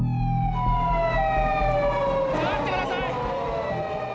下がってください！